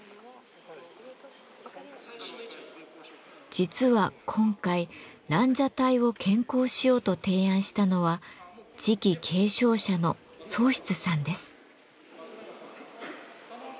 実は今回蘭奢待を献香しようと提案したのは次期継承者の宗さんです。